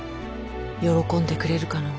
喜んでくれるかのぅ。